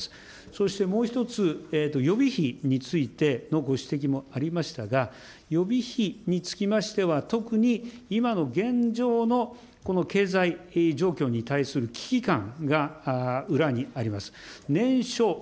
そしてもう一つ、予備費についてのご指摘もありましたが、予備費につきましては特に今の現状のこの経済状況に対する危機感が裏にあります。